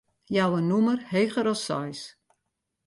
Jou in nûmer heger as seis.